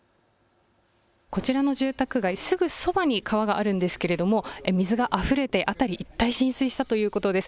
こちらの住宅街、すぐそばに川があるんですけれども水があふれて辺り一帯、浸水したということです。